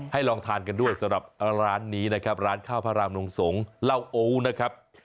ลองทานกันด้วยสำหรับร้านนี้นะครับร้านข้าวพระรามลงสงฆ์เหล้าโอนะครับ